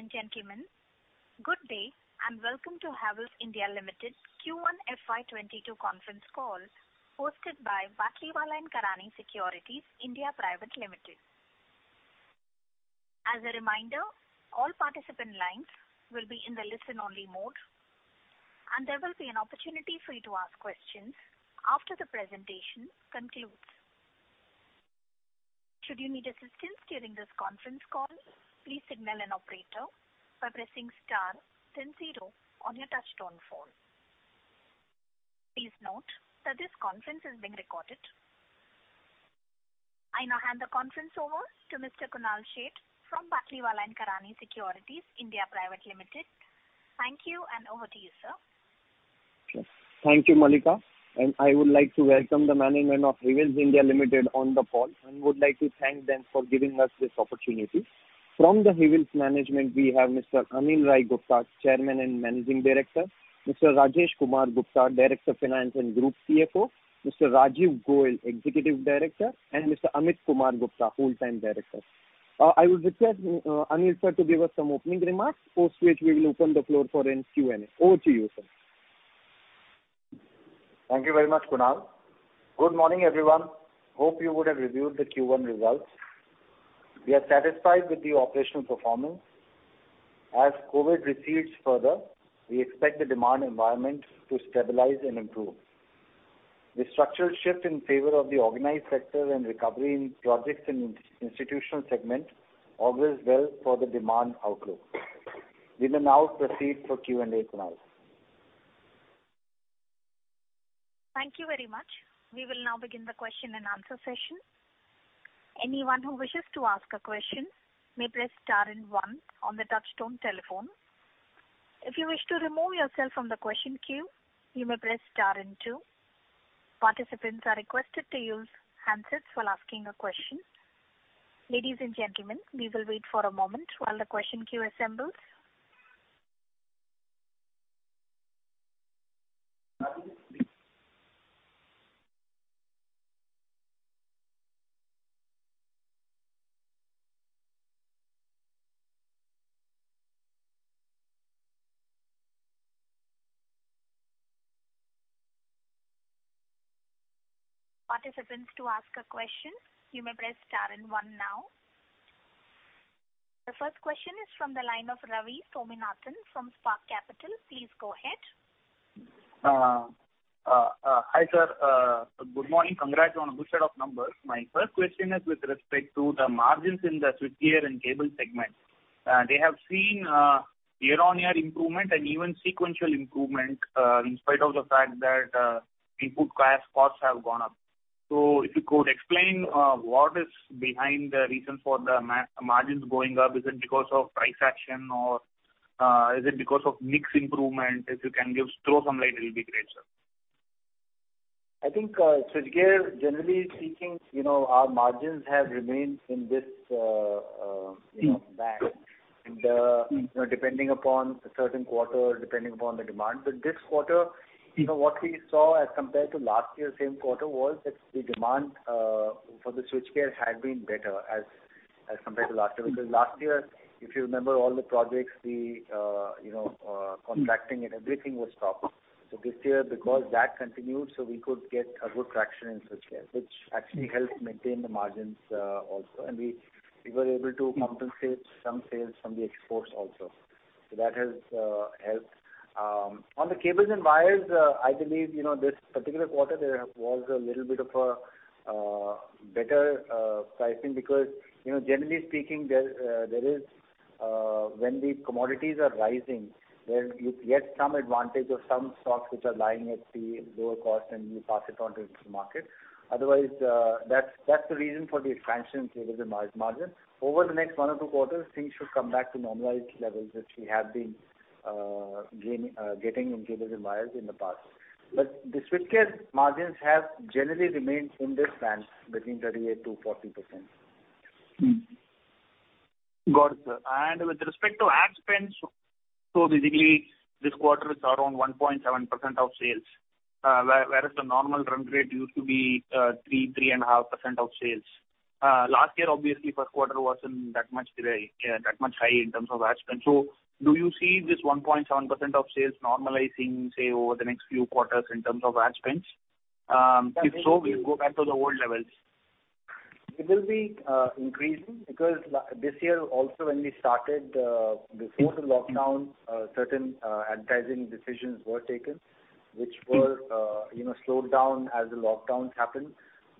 Ladies and gentlemen, good day, and welcome to Havells India Limited Q1 FY22 conference call hosted by Batlivala and Karani Securities India Private Limited. As a reminder, all participant lines will be in the listen-only mode, and there will be an opportunity for you to ask questions after the presentation concludes. Should you need assistance during this conference call, please signal an operator by pressing star then zero on your touchtone phone. Please note that this conference is being recorded. I now hand the conference over to Mr. Kunal Sheth from Batlivala and Karani Securities India Private Limited. Thank you, over to you, sir. Thank you, Mallika. I would like to welcome the management of Havells India Limited on the call and would like to thank them for giving us this opportunity. From the Havells management, we have Mr. Anil Rai Gupta, Chairman and Managing Director, Mr. Rajesh Kumar Gupta, Director of Finance and Group CFO, Mr. Rajiv Goel, Executive Director, and Mr. Ameet Kumar Gupta, Whole-Time Director. I would request Anil sir to give us some opening remarks, post which we will open the floor for Q&A. Over to you, sir. Thank you very much, Kunal. Good morning, everyone. Hope you would have reviewed the Q1 results. We are satisfied with the operational performance. As COVID recedes further, we expect the demand environment to stabilize and improve. The structural shift in favor of the organized sector and recovery in projects in the institutional segment augurs well for the demand outlook. We will now proceed for Q&A, Kunal. Thank you very much. We will now begin the question and answer session. Anyone who wishes to ask a question may press star and one on the touchtone telephone. If you wish to remove yourself from the question queue, you may press star and two. Participants are requested to use handsets while asking a question. Ladies and gentlemen, we will wait for a moment while the question queue assembles. For participants to ask a question, you may press star and one now. The first question is from the line of Ravi Swaminathan from Spark Capital. Please go ahead. Hi, sir. Good morning. Congrats on a good set of numbers. My first question is with respect to the margins in the switchgear and cable segment. They have seen year-on-year improvement and even sequential improvement in spite of the fact that input costs have gone up. If you could explain what is behind the reasons for the margins going up. Is it because of price action, or is it because of mix improvement? If you can throw some light, it will be great, sir. I think switchgear, generally speaking, our margins have remained in this band, depending upon the certain quarter, depending upon the demand. This quarter, what we saw as compared to last year, same quarter, was that the demand for the switchgear had been better as compared to last year. Last year, if you remember all the projects, the contracting and everything was stopped. This year, because that continued, we could get a good traction in switchgear, which actually helped maintain the margins also. We were able to compensate some sales from the exports also. That has helped. On the cables and wires, I believe, this particular quarter, there was a little bit of a better pricing because generally speaking, when the commodities are rising, then you get some advantage of some stocks which are lying at the lower cost, and you pass it on to the market. Otherwise, that's the reason for the expansion in cable and wire margin. Over the next one or two quarters, things should come back to normalized levels, which we have been getting in cables and wires in the past. The switchgear margins have generally remained in this band between 38%-40%. Got it, sir. With respect to ad spends, basically this quarter is around 1.7% of sales, whereas the normal run rate used to be 3.5% of sales. Last year, obviously, first quarter wasn't that much high in terms of ad spend. Do you see this 1.7% of sales normalizing, say, over the next few quarters in terms of ad spends? If so, will it go back to the old levels? It will be increasing because this year also when we started, before the lockdown, certain advertising decisions were taken, which were slowed down as the lockdowns happened.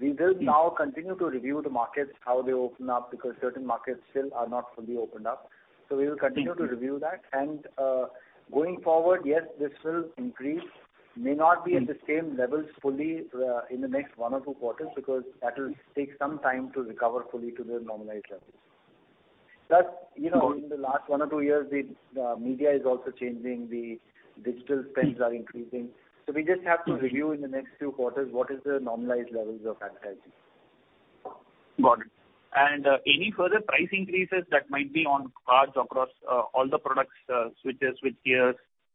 We will now continue to review the markets, how they open up, because certain markets still are not fully opened up. We will continue to review that, and going forward, yes, this will increase. May not be at the same levels fully in the next one or two quarters, because that will take some time to recover fully to the normalized levels. Plus, in the last one or two years, the media is also changing, the digital spends are increasing. We just have to review in the next few quarters what is the normalized levels of advertising. Got it. Any further price increases that might be on cards across all the products, switches, switchgears,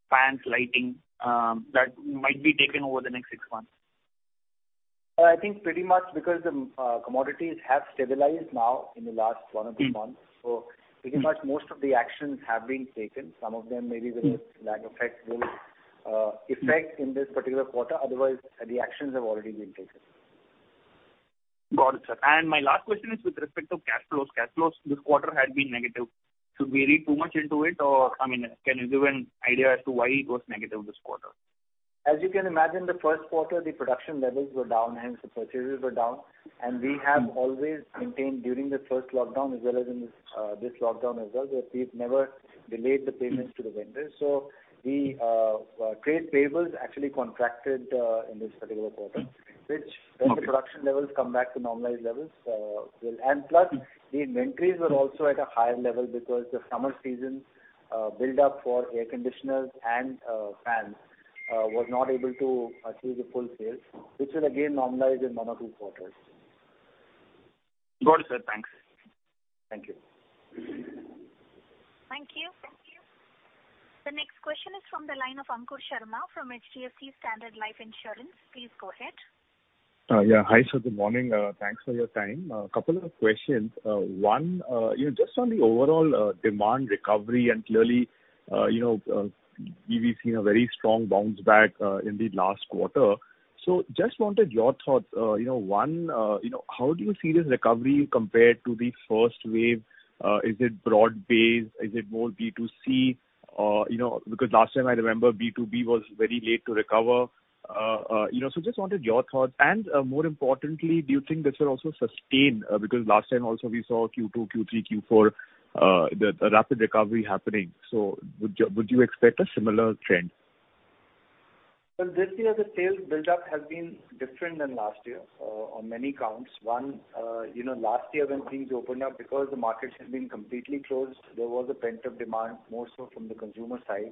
fans, lighting, that might be taken over the next six months? I think pretty much because the commodities have stabilized now in the last one or two months. Pretty much most of the actions have been taken. Some of them maybe with lag effects will affect in this particular quarter. Otherwise, the actions have already been taken. Got it, sir. My last question is with respect to cash flows. Cash flows this quarter had been negative. Should we read too much into it, or can you give an idea as to why it was negative this quarter? As you can imagine, the first quarter, the production levels were down, hence the purchases were down. We have always maintained during the first lockdown as well as in this lockdown as well, that we've never delayed the payments to the vendors. The trade payables actually contracted in this particular quarter, which when the production levels come back to normalized levels. Plus, the inventories were also at a higher level because the summer season build-up for air conditioners and fans was not able to achieve the full sales, which will again normalize in one or two quarters. Got it, sir. Thanks. Thank you. Thank you. The next question is from the line of Ankur Sharma from HDFC Standard Life Insurance. Please go ahead. Yeah. Hi, sir. Good morning, thanks for your time. A couple of questions. One, just on the overall demand recovery, and clearly, we've seen a very strong bounce back in the last quarter. Just wanted your thoughts. One, how do you see this recovery compared to the first wave? Is it broad-based? Is it more B2C? Because last time I remember B2B was very late to recover. Just wanted your thoughts. More importantly, do you think this will also sustain? Because last time also we saw Q2, Q3, Q4, the rapid recovery happening. Would you expect a similar trend? This year, the sales build-up has been different than last year on many counts. One, last year when things opened up because the markets had been completely closed, there was a pent-up demand, more so from the consumer side.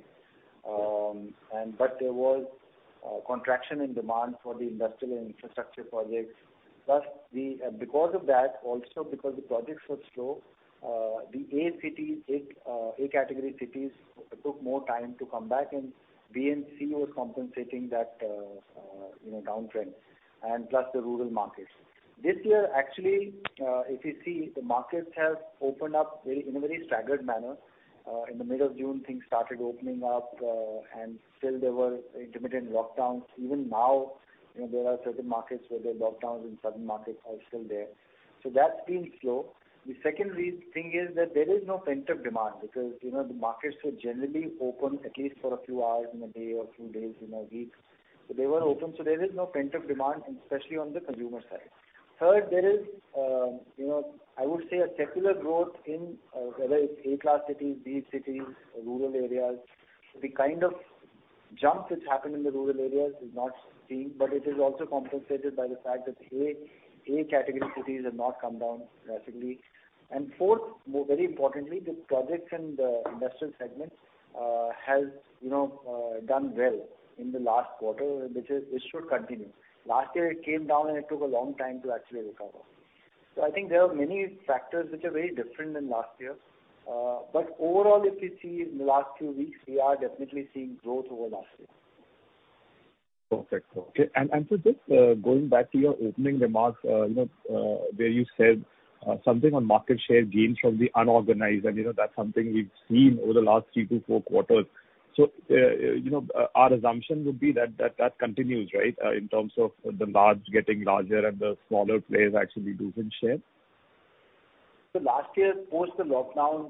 There was a contraction in demand for the industrial and infrastructure projects. Because of that, also because the projects were slow, the A category cities took more time to come back, and B and C was compensating that downtrend, and plus the rural markets. This year, actually, if you see, the markets have opened up in a very staggered manner. In the middle of June, things started opening up, and still there were intermittent lockdowns. Even now, there are certain markets where there are lockdowns, and certain markets are still there. That's been slow. The second thing is that there is no pent-up demand because the markets were generally open at least for a few hours in a day or a few days in a week. They were open. There is no pent-up demand, especially on the consumer side. Third, there is I would say, a secular growth in whether it's A-class cities, B-cities, or rural areas. The kind of jump that's happened in the rural areas is not seen, but it is also compensated by the fact that A-category cities have not come down drastically. Fourth, very importantly, the projects and the industrial segment has done well in the last quarter, which should continue. Last year, it came down, and it took a long time to actually recover. I think there are many factors which are very different than last year. Overall, if you see in the last few weeks, we are definitely seeing growth over last year. Perfect. Okay. Sir, just going back to your opening remarks, where you said something on market share gains from the unorganized, and that's something we've seen over the last 3 to 4 quarters. Our assumption would be that that continues, right? In terms of the large getting larger and the smaller players actually losing share. Last year post the lockdown,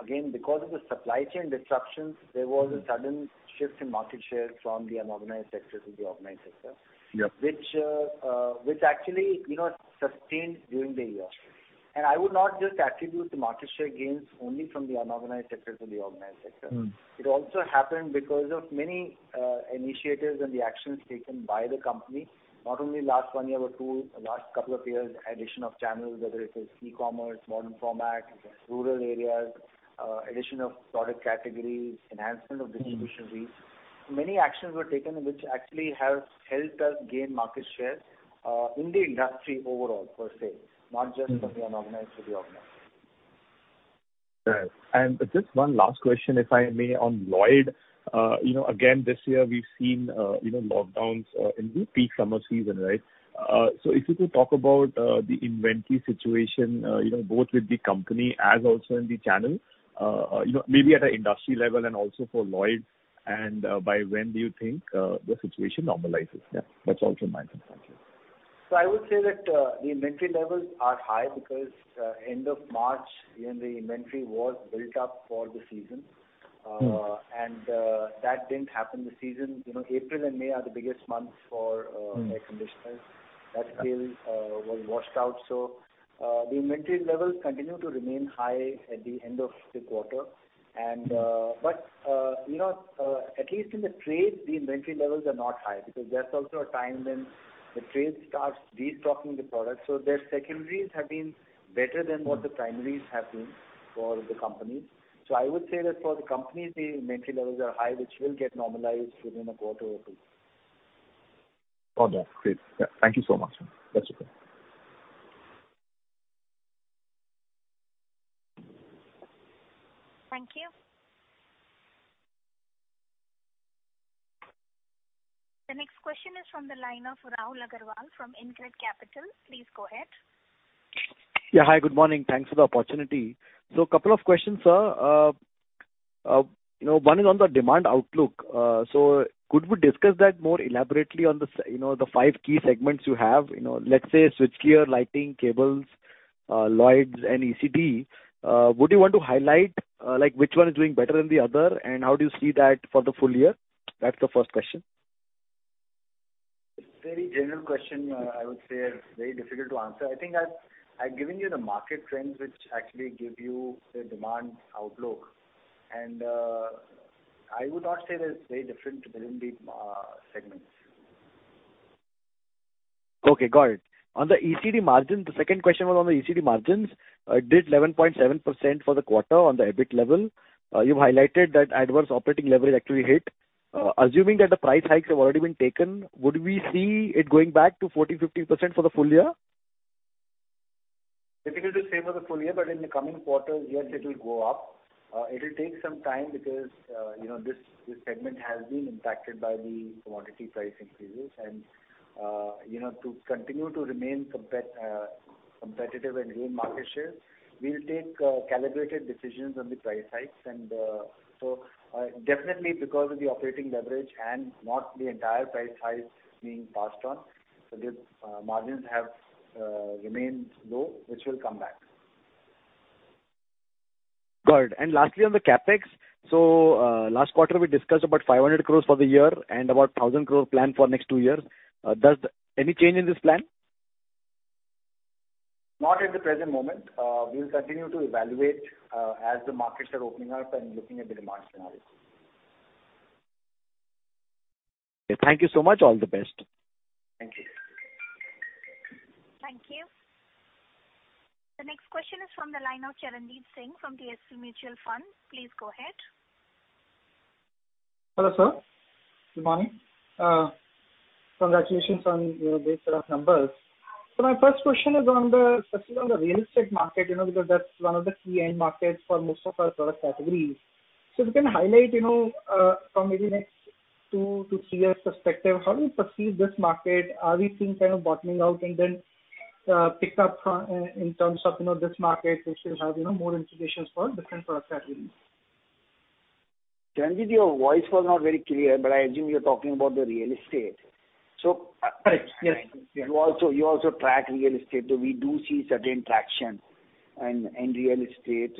again, because of the supply chain disruptions, there was a sudden shift in market share from the unorganized sector to the organized sector. Yep. Which actually sustained during the year. I would not just attribute the market share gains only from the unorganized sector to the organized sector. It also happened because of many initiatives and the actions taken by the company, not only last one year or two, the last couple of years, addition of channels, whether it is e-commerce, modern format, rural areas, addition of product categories, enhancement of distribution reach. Many actions were taken which actually have helped us gain market share in the industry overall, per se, not just from the unorganized to the organized. Right. Just one last question, if I may, on Lloyd. Again, this year we've seen lockdowns in the peak summer season, right? If you could talk about the inventory situation both with the company as also in the channel maybe at an industry level and also for Lloyd, and by when do you think the situation normalizes? That's all from my end. Thank you. I would say that the inventory levels are high because end of March, the inventory was built up for the season. That didn't happen this season. April and May are the biggest months for air conditioners, that sale was washed out. The inventory levels continue to remain high at the end of the quarter. At least in the trades, the inventory levels are not high because that's also a time when the trade starts destocking the product. Their secondaries have been better than what the primaries have been for the company. I would say that for the company, the inventory levels are high, which will get normalized within a quarter or two. All right. Great. Thank you so much. That's okay. Thank you. The next question is from the line of Rahul Agarwal from InCred Capital. Please go ahead. Yeah. Hi, good morning, thanks for the opportunity. A questions, sir. One is on the demand outlook. Could we discuss that more elaborately on the five key segments you have, let's say switchgear, lighting, cables, Lloyd, and ECD? Would you want to highlight which one is doing better than the other, and how do you see that for the full year? That's the first question. It's a very general question, I would say, very difficult to answer. I think I've given you the market trends which actually give you the demand outlook. I would not say there's very different between these segments. Okay, got it. The second question was on the ECD margins. It did 11.7% for the quarter on the EBIT level. You've highlighted that adverse operating leverage actually hit. Assuming that the price hikes have already been taken, would we see it going back to 40%-50% for the full year? Difficult to say for the full year. In the coming quarters, yes, it will go up. It will take some time because this segment has been impacted by the commodity price increases and to continue to remain competitive and gain market share, we will take calibrated decisions on the price hikes. Definitely because of the operating leverage and not the entire price hikes being passed on, these margins have remained low, which will come back. Got it. Lastly, on the CapEx, last quarter we discussed about 500 crore for the year and about 1,000 crore plan for next two years. Any change in this plan? Not at the present moment. We'll continue to evaluate, as the markets are opening up and looking at the demand scenario. Thank you so much. All the best. Thank you. Thank you. The next question is from the line of Charanjit Singh from DSP Mutual Fund. Please go ahead. Hello, sir, good morning. Congratulations on your great set of numbers. My first question is specifically on the real estate market, because that's one of the key end markets for most of our product categories. If you can highlight, from maybe next two to three years perspective, how do you perceive this market? Are we seeing kind of bottoming out and then pick up in terms of this market, which will have more implications for different product categories? Charanjit voice was not very clear, but I assume you're talking about the real estate. Correct. Yes. You also track real estate. We do see certain traction in real estate.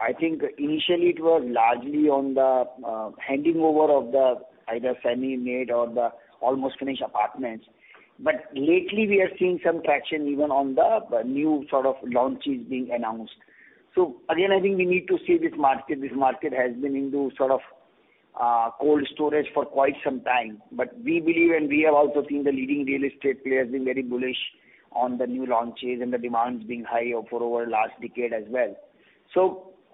I think initially it was largely on the handing over of the either semi-made or the almost finished apartments. Lately we are seeing some traction even on the new sort of launches being announced. Again, I think we need to see this market. This market has been into sort of cold storage for quite some time. We believe, and we have also seen the leading real estate players being very bullish on the new launches and the demands being high for over last decade as well.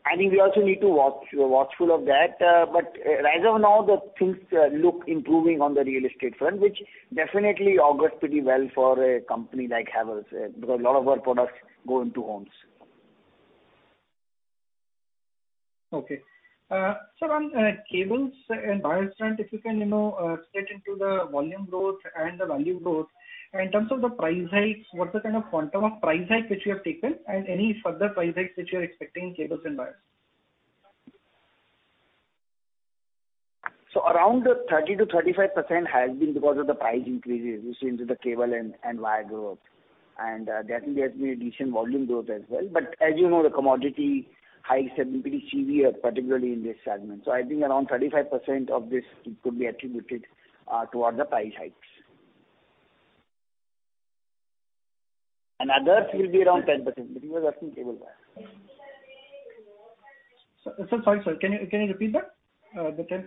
I think we also need to watchful of that. As of now, the things look improving on the real estate front, which definitely augurs pretty well for a company like Havells, because a lot of our products go into homes. Okay. Sir, on cables and wires front, if you can straight into the volume growth and the value growth. In terms of the price hikes, what's the kind of quantum of price hike which you have taken and any further price hikes which you're expecting in cables and wires? Around 30%-35% has been because of the price increases we've seen to the cable and wire growth. Definitely there's been a decent volume growth as well. As you know, the commodity hikes have been pretty severe, particularly in this segment. I think around 35% of this could be attributed towards the price hikes. Others will be around 10%, because that's in cable wire. Sir, sorry sir, can you repeat that? The 10%?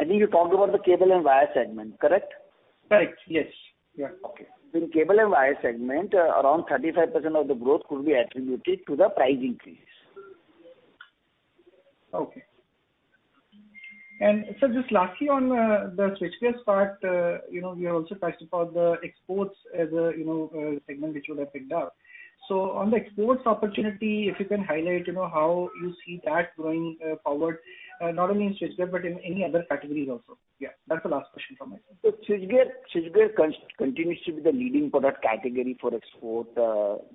I think you talked about the cable and wire segment, correct? Correct, yes. Yeah. Okay. In cable and wire segment, around 35% of the growth could be attributed to the price increase. Sir, just lastly on the switchgear part, we have also talked about the exports as a segment which would have picked up. On the exports opportunity, if you can highlight how you see that growing forward, not only in switchgear but in any other categories also. Yeah, that's the last question from my side. Switchgear continues to be the leading product category for export,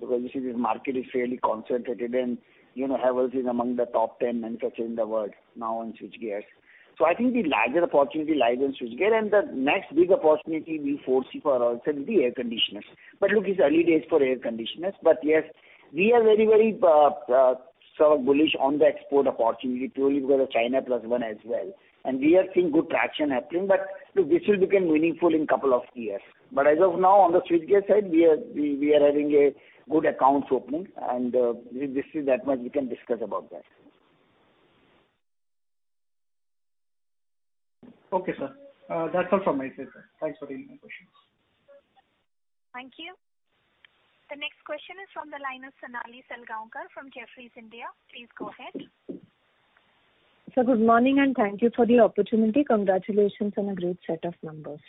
because this market is fairly concentrated and Havells is among the top 10 manufacturers in the world now on switchgears. I think the larger opportunity lies in switchgear, and the next big opportunity we foresee for ourselves will be air conditioners. Look, it's early days for air conditioners. Yes, we are very bullish on the export opportunity, purely because of China Plus One as well. We are seeing good traction happening. This will become meaningful in couple of years. As of now, on the switchgear side, we are having a good accounts opening, and this is that much we can discuss about that. Okay, sir. That's all from my side, sir. Thanks for taking my questions. Thank you. The next question is from the line of Sonali Salgaonkar from Jefferies India. Please go ahead. Sir, good morning, and thank you for the opportunity. Congratulations on a great set of numbers.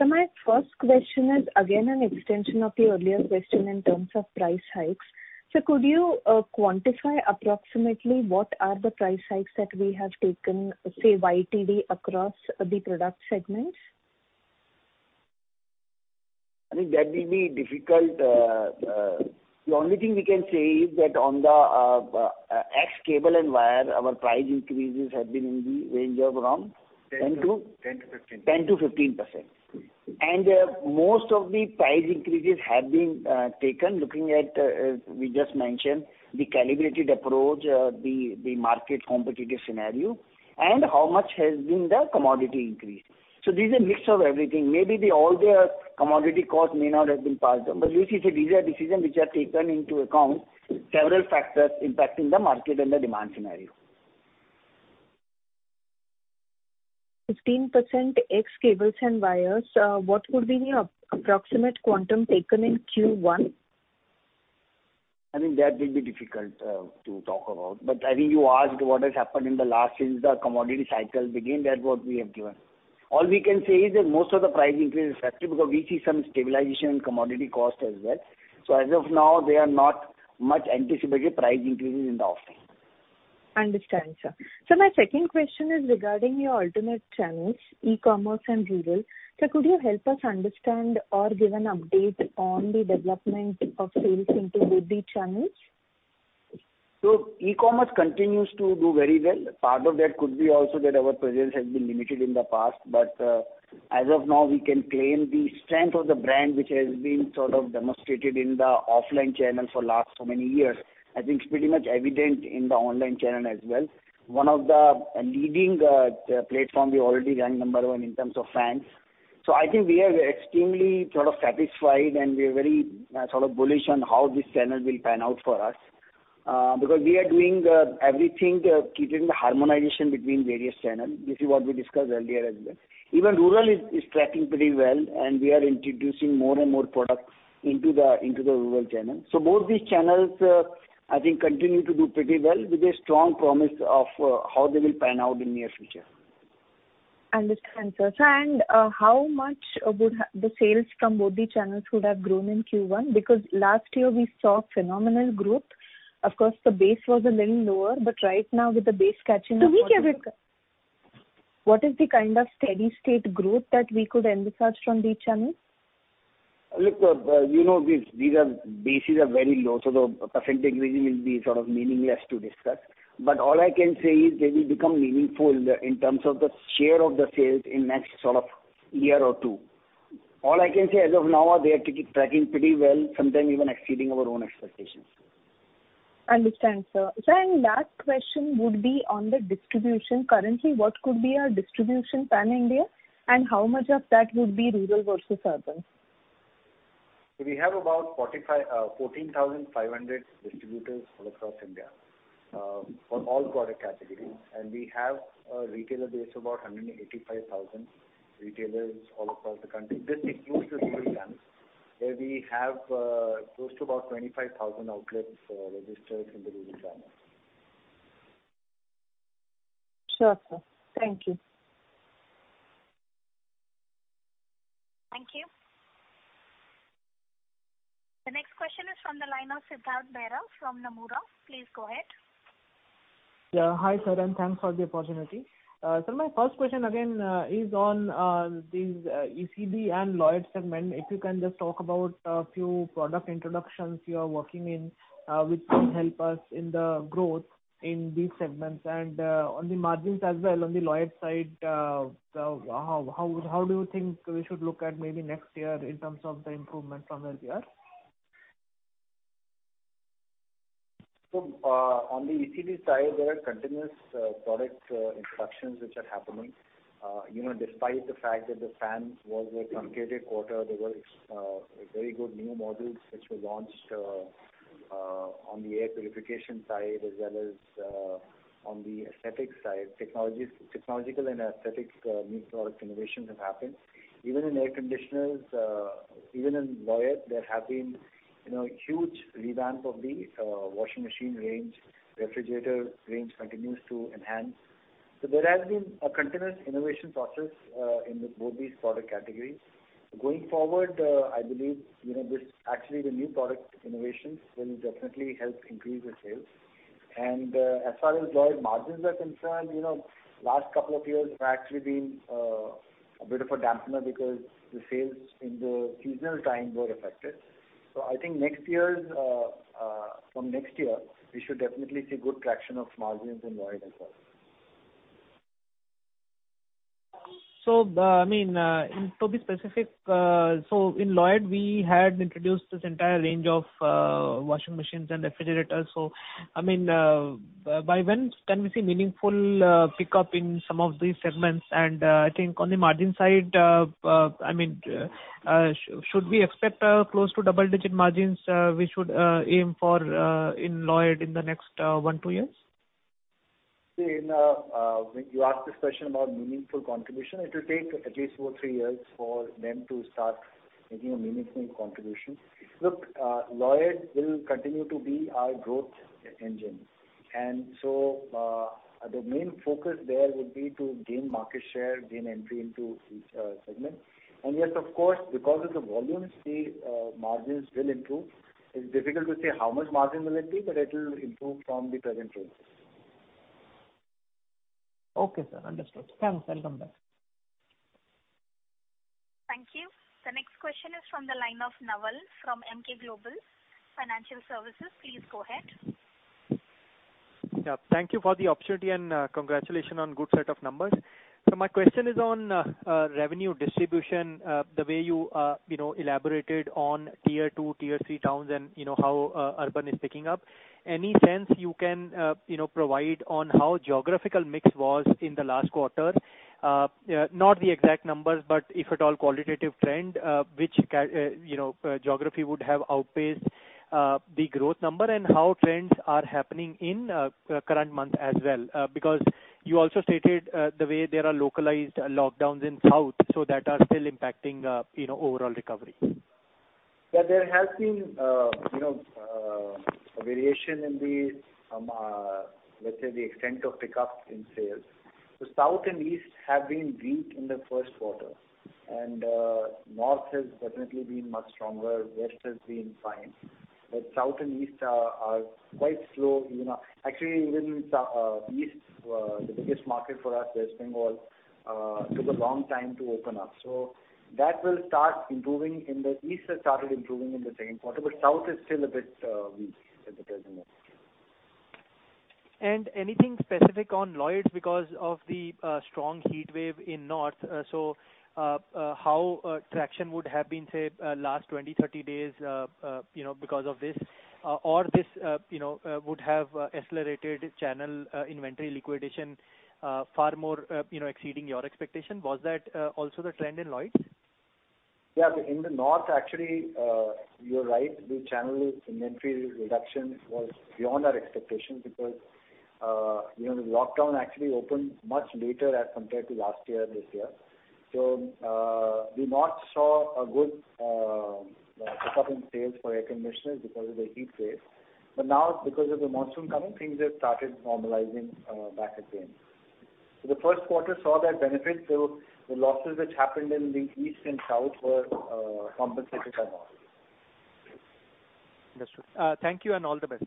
My first question is again an extension of the earlier question in terms of price hikes. Sir, could you quantify approximately what are the price hikes that we have taken, say, YTD across the product segments? I think that will be difficult. The only thing we can say is that on the ex cable and wire, our price increases have been in the range of around 10 to. 10%-15%. 10%-15%. Most of the price increases have been taken, looking at, we just mentioned, the calibrated approach, the market competitive scenario, and how much has been the commodity increase. This is a mix of everything. Maybe all their commodity cost may not have been passed on. You see, these are decisions which are taken into account, several factors impacting the market and the demand scenario. 15% ex cables and wires. What would be the approximate quantum taken in Q1? I think that will be difficult to talk about, but I think you asked what has happened in the last since the commodity cycle began, that what we have given. All we can say is that most of the price increase is effective because we see some stabilization in commodity cost as well. As of now, there are not much anticipated price increases in the offering. Understand, sir. Sir, my second question is regarding your alternate channels, e-commerce and rural. Sir, could you help us understand or give an update on the development of sales into both these channels? E-commerce continues to do very well. Part of that could be also that our presence has been limited in the past. As of now, we can claim the strength of the brand, which has been sort of demonstrated in the offline channel for last so many years. I think it's pretty much evident in the online channel as well. One of the leading platform, we already rank number one in terms of fans. I think we are extremely sort of satisfied, and we are very bullish on how this channel will pan out for us. Because we are doing everything, keeping the harmonization between various channels. This is what we discussed earlier as well. Even rural is tracking pretty well, and we are introducing more and more products into the rural channel. Both these channels, I think, continue to do pretty well with a strong promise of how they will pan out in near future. Understand, sir. Sir how much would the sales from both the channels would have grown in Q1? Because last year we saw phenomenal growth. Of course, the base was a little lower, but right now with the base catching up. So we can reca- What is the kind of steady state growth that we could envisage from these channels? Look, these bases are very low, the percentage really will be sort of meaningless to discuss. All I can say is they will become meaningful in terms of the share of the sales in next sort of year or two. All I can say as of now are they are tracking pretty well, sometimes even exceeding our own expectations. Understand, sir. Sir, last question would be on the distribution. Currently, what could be our distribution pan-India, and how much of that would be rural versus urban? We have about 14,500 distributors all across India, for all product categories. We have a retailer base of about 185,000 retailers all across the country. This includes the rural channels, where we have close to about 25,000 outlets registered in the rural channels. Sure, sir. Thank you. Thank you. The next question is from the line of Siddhartha Bera from Nomura. Please go ahead. Yeah. Hi, sir, and thanks for the opportunity. Sir, my first question again is on these ECD and Lloyd segment. If you can just talk about a few product introductions you are working in, which can help us in the growth in these segments and on the margins as well, on the Lloyd side, how do you think we should look at maybe next year in terms of the improvement from last year? On the ECD side, there are continuous product introductions which are happening. Despite the fact that the fans was a truncated quarter, there were very good new models which were launched on the air purification side as well as on the aesthetics side. Technological and aesthetics new product innovations have happened. Even in air conditioners, even in Lloyd, there have been huge revamp of the washing machine range, refrigerator range continues to enhance. There has been a continuous innovation process in both these product categories. Going forward, I believe, actually the new product innovations will definitely help increase the sales. As far as Lloyd margins are concerned, last couple of years have actually been a bit of a dampener because the sales in the seasonal time were affected. I think from next year, we should definitely see good traction of margins in Lloyd as well. To be specific, so in Lloyd, we had introduced this entire range of washing machines and refrigerators. By when can we see meaningful pickup in some of these segments? I think on the margin side, should we expect close to double-digit margins we should aim for in Lloyd in the next one, two years? When you ask this question about meaningful contribution, it will take at least two or three years for them to start making a meaningful contribution. Look, Lloyd will continue to be our growth engine. The main focus there would be to gain market share, gain entry into each segment. Yes, of course, because of the volumes, the margins will improve. It's difficult to say how much margin will it be, but it will improve from the present rates. Okay, sir, understood. Thanks. I'll come back. Thank you. The next question is from the line of Naval from Emkay Global Financial Services. Please go ahead. Yeah. Thank you for the opportunity and congratulations on good set of numbers. My question is on revenue distribution, the way you elaborated on tier 2, tier 3 towns and how urban is picking up. Any sense you can provide on how geographical mix was in the last quarter? Not the exact numbers, but if at all qualitative trend, which geography would have outpaced the growth number, and how trends are happening in current month as well. Because you also stated the way there are localized lockdowns in South, so that are still impacting overall recovery. Yeah, there has been a variation in the, let's say, the extent of pickup in sales. The South and East have been weak in the first quarter, and North has definitely been much stronger. West has been fine. South and East are quite slow. Actually, even East, the biggest market for us, West Bengal, took a long time to open up. That will start improving in the East, has started improving in the second quarter, but South is still a bit weak at the present. Anything specific on Lloyd because of the strong heat wave in North? How traction would have been, say, last 20, 30 days because of this? This would have accelerated channel inventory liquidation far more exceeding your expectation. Was that also the trend in Lloyd? Yeah. In the North, actually, you're right. The channel inventory reduction was beyond our expectations because the lockdown actually opened much later as compared to last year, this year. The North saw a good pickup in sales for air conditioners because of the heat wave. Now because of the monsoon coming, things have started normalizing back again. The first quarter saw that benefit. The losses which happened in the East and South were compensated by North. Understood. Thank you, and all the best.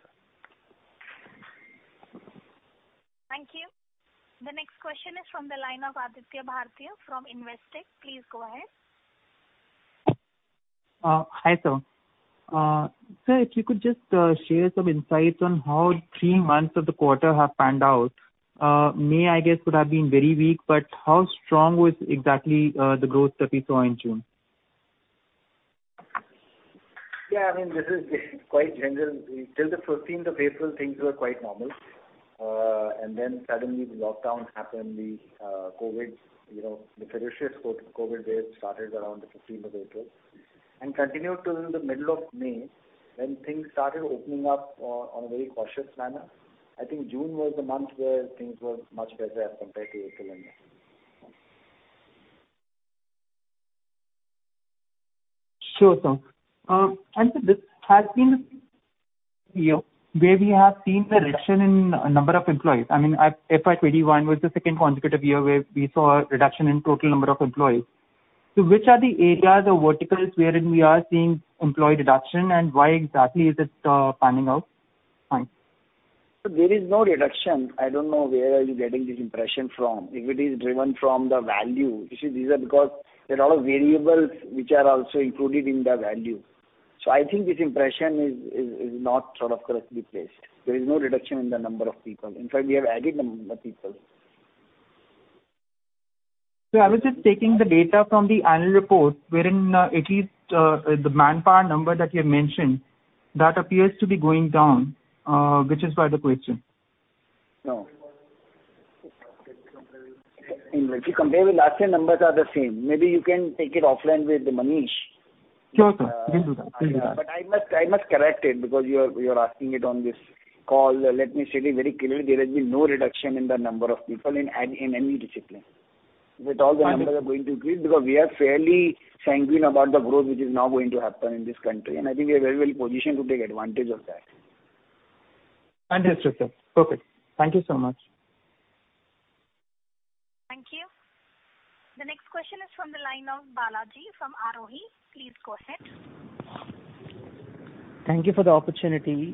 Thank you. The next question is from the line of Aditya Bhartia from Investec. Please go ahead. Hi, sir. Sir, if you could just share some insights on how 3 months of the quarter have panned out. May, I guess, would have been very weak, but how strong was exactly the growth that we saw in June? Yeah, I mean, this is quite general. Till the 15th of April, things were quite normal. Suddenly the lockdown happened. The COVID, the ferocious COVID wave started around the 15th of April and continued till the middle of May, when things started opening up on a very cautious manner. I think June was the month where things were much better as compared to April and May. Sure, sir. Sir, this has been a year where we have seen the reduction in number of employees. I mean, FY 2021 was the second consecutive year where we saw a reduction in total number of employees. Which are the areas or verticals wherein we are seeing employee reduction, and why exactly is it panning out? Thanks. Sir, there is no reduction. I don't know where are you getting this impression from. If it is driven from the value, you see, these are because there are a lot of variables which are also included in the value. I think this impression is not correctly placed. There is no reduction in the number of people. In fact, we have added the number of people. Sir, I was just taking the data from the annual report, wherein it is the manpower number that you have mentioned that appears to be going down, which is why the question. No. If you compare with last year, numbers are the same. Maybe you can take it offline with Manish. Sure, sir. Will do that. I must correct it because you're asking it on this call. Let me say it very clearly. There has been no reduction in the number of people in any discipline. With all the numbers are going to increase because we are fairly sanguine about the growth which is now going to happen in this country, and I think we are very well positioned to take advantage of that. Understood, sir. Perfect. Thank you so much. Thank you. The next question is from the line of Balaji from Aarohi. Please go ahead. Thank you for the opportunity.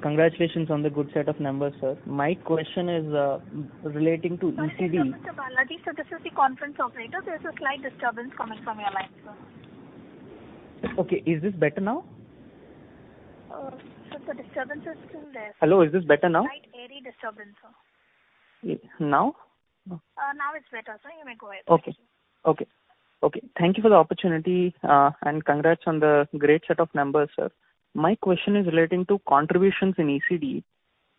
Congratulations on the good set of numbers, sir. My question is relating to ECD. Sorry to interrupt, Mr. Balaji, sir. This is the conference operator. There is a slight disturbance coming from your line, sir. Okay. Is this better now? Sir, the disturbance is still there. Hello. Is this better now? Slight airy disturbance, sir. Now? Now it's better, sir. You may go ahead. Okay. Thank you for the opportunity, and congrats on the great set of numbers, sir. My question is relating to contributions in ECD.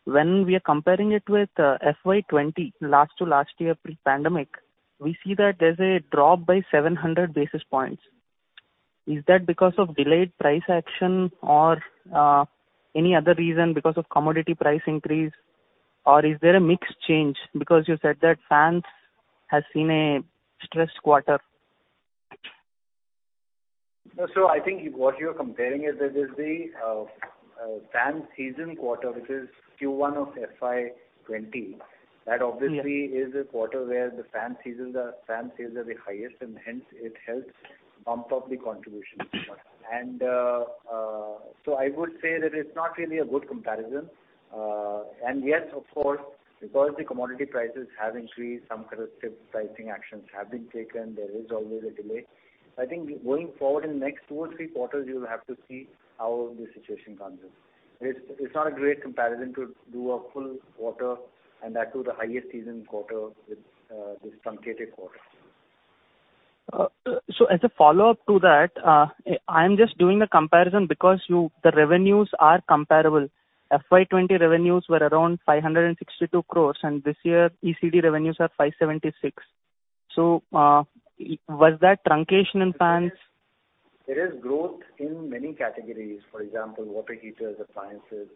When we are comparing it with FY20, last to last year pre-pandemic, we see that there's a drop by 700 basis points. Is that because of delayed price action or any other reason because of commodity price increase? Is there a mix change because you said that fans has seen a stressed quarter. I think what you're comparing is the fan season quarter, which is Q1 of FY20. That obviously is a quarter where the fan sales are the highest, and hence it helps bump up the contribution. I would say that it's not really a good comparison. Yes, of course, because the commodity prices have increased, some corrective pricing actions have been taken. There is always a delay. I think going forward in the next two or three quarters, you'll have to see how the situation comes in. It's not a great comparison to do a full quarter, and that too the highest season quarter with this truncated quarter. As a follow-up to that, I'm just doing the comparison because the revenues are comparable. FY 2020 revenues were around 562 crores, and this year ECD revenues are 576 crores. Was that truncation in fans? There is growth in many categories, for example, water heaters, appliances.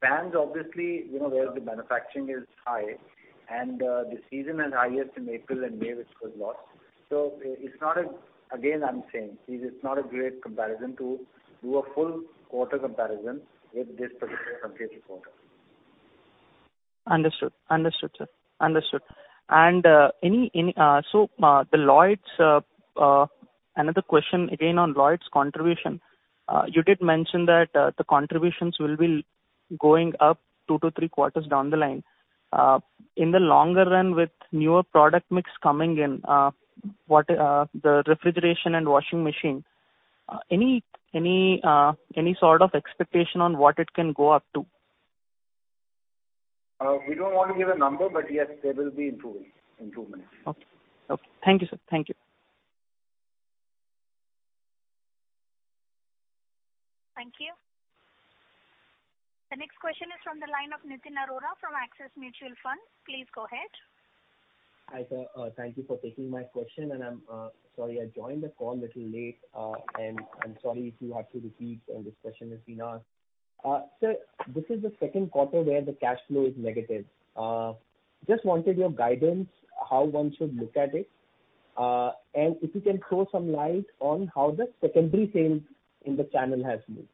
Fans, obviously, where the manufacturing is high and the season is highest in April and May, which was lost. Again, I'm saying, it is not a great comparison to do a full quarter comparison with this particular truncated quarter. Understood, sir. Another question again on Lloyd's contribution. You did mention that the contributions will be going up 2 to 3 quarters down the line. In the longer run with newer product mix coming in, the refrigeration and washing machine, any sort of expectation on what it can go up to? We don't want to give a number, but yes, there will be improvement. Okay. Thank you, sir. Thank you. The next question is from the line of Nitin Arora from Axis Mutual Fund. Please go ahead. Hi, sir. Thank you for taking my question and I'm sorry I joined the call a little late. I'm sorry if you had to repeat and this question has been asked. Sir, this is the second quarter where the cash flow is negative. Just wanted your guidance, how long should look at it. If you can throw some light on how the secondary sales in the channel has moved.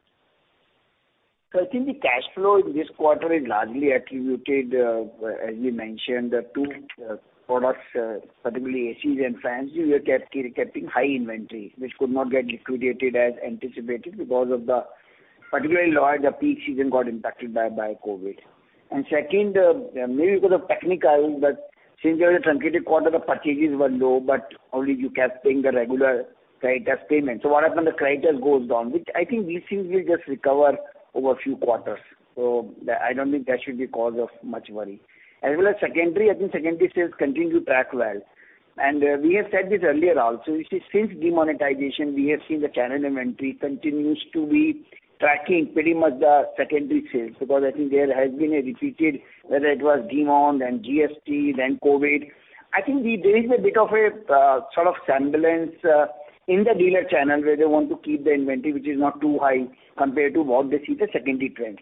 Sir, I think the cash flow in this quarter is largely attributed, as we mentioned, the two products, particularly ACs and fans. We were keeping high inventory, which could not get liquidated as anticipated because of the, particularly Lloyd, the peak season got impacted by COVID. Second, maybe because of technical, since it was a truncated quarter, the purchases were low, only you kept paying the regular credit as payment. What happens, the credit goes down, which I think these things will just recover over a few quarters. I don't think that should be a cause of much worry. As well as secondary, I think secondary sales continue to track well. We have said this earlier also, since demonetization, we have seen the channel inventory continues to be tracking pretty much the secondary sales, because I think there has been a repeated, whether it was demon, then GST, then COVID. I think there is a bit of a sort of semblance in the dealer channel where they want to keep the inventory, which is not too high compared to what they see the secondary trend.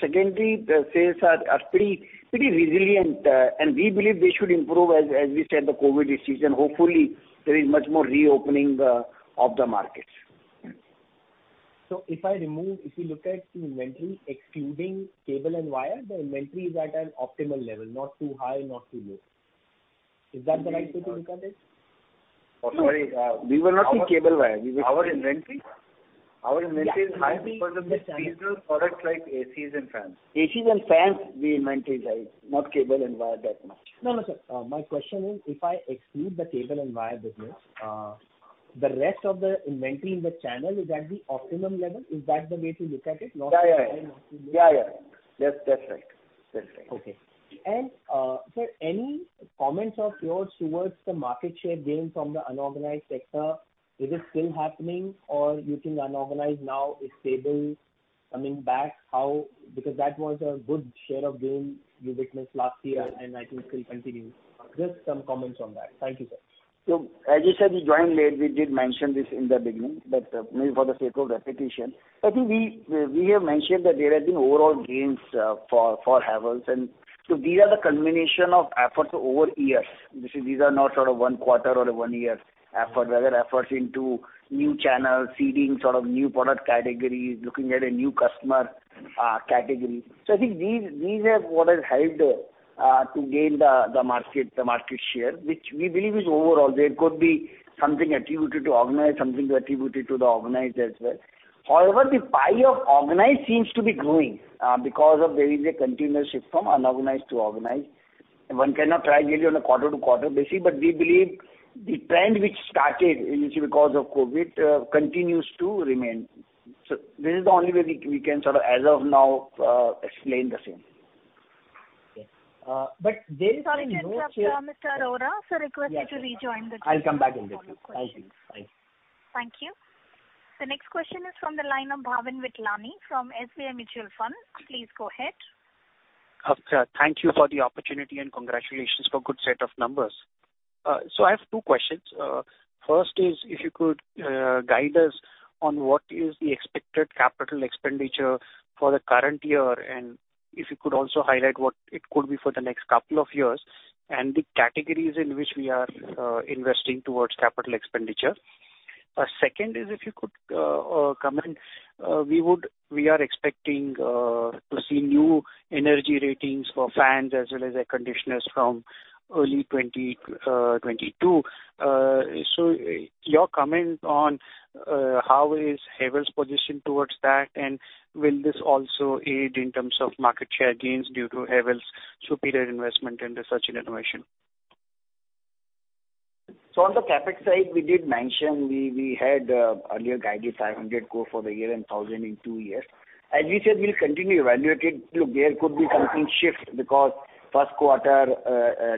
Secondary sales are pretty resilient, and we believe they should improve as we said, the COVID issues, and hopefully, there is much more reopening of the markets. If you look at the inventory excluding cable and wire, the inventory is at an optimal level, not too high, not too low. Is that the right way to look at it? Sorry. We were not in cable wire. Our inventory is high for the mix seasonal products like ACs and fans. ACs and fans, the inventory is high, not cable and wire that much. No, sir. My question is, if I exclude the cable and wire business, the rest of the inventory in the channel is at the optimum level. Is that the way to look at it? Yeah. That's right. Okay. Sir, any comments of yours towards the market share gain from the unorganized sector, is it still happening or you think unorganized now is stable, coming back? Because that was a good share of gain you witnessed last year, and I think still continuing. Just some comments on that. Thank you, sir. As you said, you joined late. We did mention this in the beginning, but maybe for the sake of repetition. We have mentioned that there has been overall gains for Havells, and these are the combination of efforts over years. These are not sort of one quarter or one year effort, rather efforts into new channels, seeding sort of new product categories, looking at a new customer category. These are what has helped to gain the market share, which we believe is overall, there could be something attributed to organized, something attributed to the organized as well. The pie of organized seems to be growing because there is a continuous shift from unorganized to organized, and one cannot judge really on a quarter-to-quarter basis, but we believe the trend which started initially because of COVID continues to remain. This is the only way we can sort of, as of now, explain the same. Okay. Sorry to interrupt, Mr. Arora. Sir, I request you to rejoin the queue. I'll come back in the queue. Thank you. Thank you. The next question is from the line of Bhavin Vithlani from SBI Mutual Fund. Please go ahead. Thank you for the opportunity and congratulations for good set of numbers. I have two questions. First is, if you could guide us on what is the expected capital expenditure for the current year, and if you could also highlight what it could be for the next couple of years, and the categories in which we are investing towards capital expenditure. Second is, if you could comment, we are expecting to see new energy ratings for fans as well as air conditioners from early 2022. Your comment on how is Havells positioned towards that, and will this also aid in terms of market share gains due to Havells' superior investment into research and innovation? On the CapEx side, we did mention we had earlier guided 500 crore for the year and 1,000 in two years. As we said, we'll continue evaluating. There could be something shift because first quarter,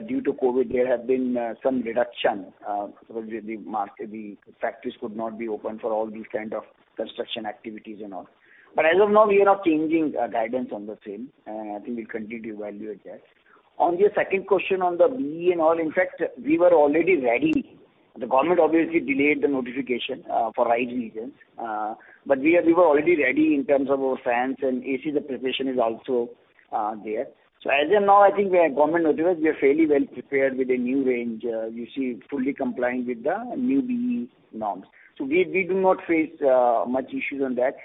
due to COVID, there have been some reduction. The factories could not be open for all these kind of construction activities and all. As of now, we are not changing guidance on the same. We'll continue to evaluate that. On your second question on the BEE and all, in fact, we were already ready. The government obviously delayed the notification for right reasons. We were already ready in terms of our fans and AC, the preparation is also there. As of now, when government notifies, we are fairly well prepared with a new range, fully compliant with the new BEE norms. We do not face much issues on that.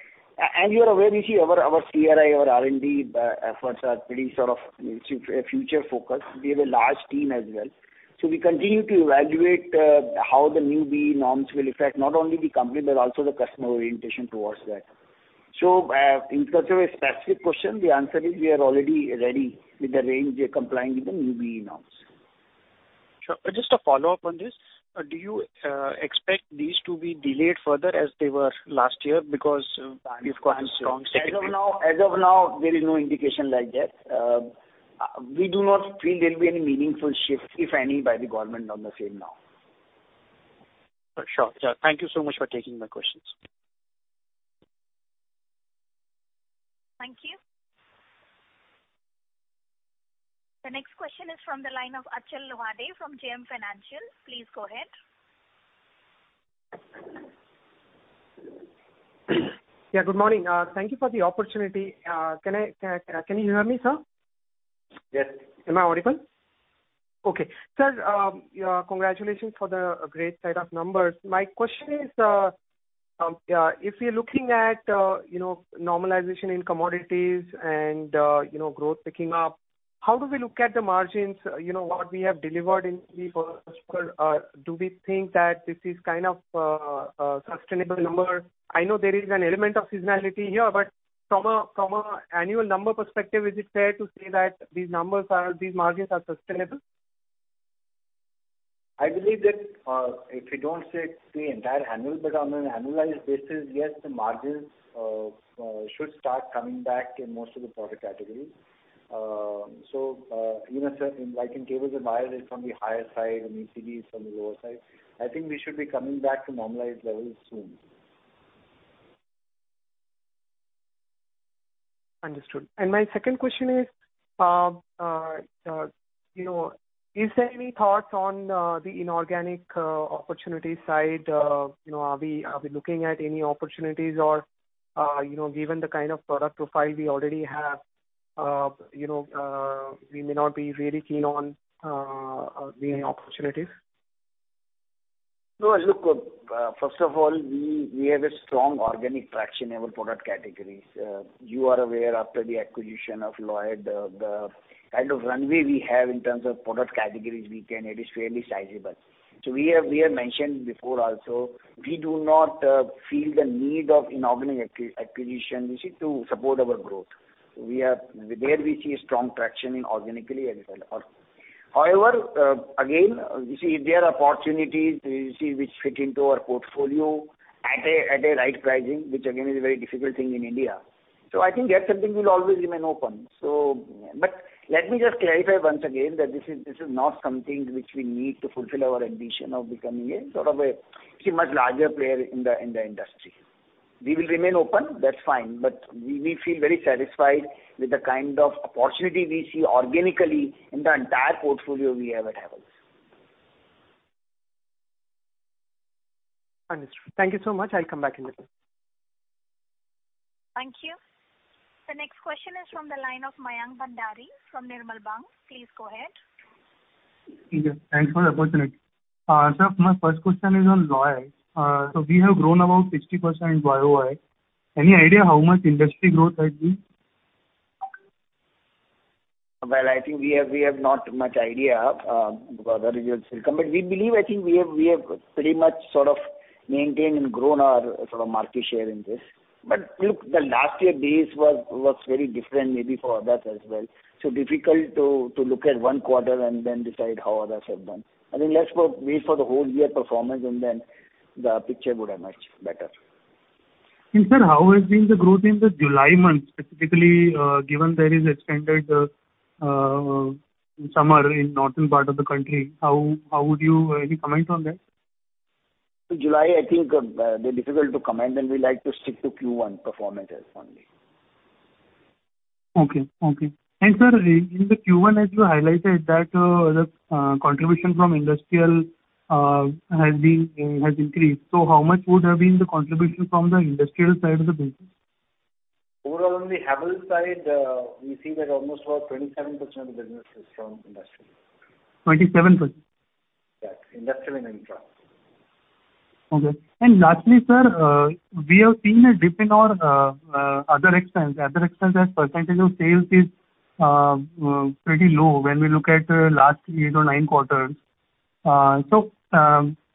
You are aware, you see our CRI, our R&D efforts are pretty future focused. We have a large team as well. We continue to evaluate how the new BEE norms will affect not only the company, but also the customer orientation towards that. In terms of a specific question, the answer is we are already ready with the range. We are complying with the new BEE norms. Sure. Just a follow-up on this. Do you expect these to be delayed further as they were last year because you've got a strong statement-? As of now, there is no indication like that. We do not feel there'll be any meaningful shift, if any, by the government on the same now. Sure. Thank you so much for taking my questions. Thank you. The next question is from the line of Achal Lohade from JM Financial. Please go ahead. Yeah, good morning. Thank you for the opportunity. Can you hear me, sir? Yes. Am I audible? Okay. Sir, congratulations for the great set of numbers. My question is, if we're looking at normalization in commodities and growth picking up, how do we look at the margins? What we have delivered in Q4, do we think that this is kind of a sustainable number? I know there is an element of seasonality here, from a annual number perspective, is it fair to say that these margins are sustainable? I believe that if we don't say the entire annual, but on an annualized basis, yes, the margins should start coming back in most of the product categories. Like in cables and wires is from the higher side, and ECD is from the lower side. I think we should be coming back to normalized levels soon. Understood. My second question is there any thoughts on the inorganic opportunity side? Are we looking at any opportunities or, given the kind of product profile we already have, we may not be very keen on the opportunities? No. Look, first of all, we have a strong organic traction in our product categories. You are aware after the acquisition of Lloyd, the kind of runway we have in terms of product categories, it is fairly sizable. We have mentioned before also, we do not feel the need of inorganic acquisition to support our growth. There we see a strong traction in organically as well. However, again, if there are opportunities which fit into our portfolio at a right pricing, which again is a very difficult thing in India. I think that's something we'll always remain open. Let me just clarify once again that this is not something which we need to fulfill our ambition of becoming a much larger player in the industry. We will remain open, that's fine. We feel very satisfied with the kind of opportunity we see organically in the entire portfolio we have at Havells. Understood. Thank you so much, I'll come back in a little. Thank you. The next question is from the line of Mayank Bhandari from Nirmal Bang. Please go ahead. Thanks for the opportunity. Sir, my first question is on Lloyd. We have grown about 60% in YOY. Any idea how much industry growth has been? Well, I think we have not much idea, because the results will come. We believe, I think we have pretty much sort of maintained and grown our market share in this. Look, the last year base was very different, maybe for others as well. Difficult to look at one quarter and then decide how others have done. I think let's wait for the whole year performance and then the picture would emerge better. Sir, how has been the growth in the July month specifically, given there is extended summer in northern part of the country, any comment on that? To July, I think they're difficult to comment and we like to stick to Q1 performances only. Okay. Sir, in the Q1, as you highlighted, that the contribution from industrial has increased. How much would have been the contribution from the industrial side of the business? Overall, on the Havells side, we see that almost about 27% of the business is from industrial. 27%? Yes. Industrial and infra. Okay. Lastly, sir, we have seen a dip in our other expense. Other expense as % of sales is pretty low when we look at last eight or nine quarters.